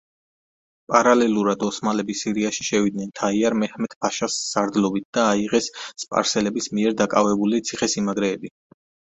პარალელურად ოსმალები სირიაში შევიდნენ თაიარ მეჰმედ-ფაშას სარდლობით და აიღეს სპარსელების მიერ დაკავებული ციხე-სიმაგრეები.